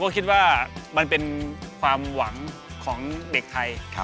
คิดว่ามันเป็นความหวังของเด็กไทย